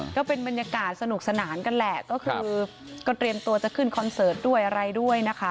ก็เป็นบรรยากาศสนุกสนานกันแหละก็คือก็เตรียมตัวจะขึ้นคอนเสิร์ตด้วยอะไรด้วยนะคะ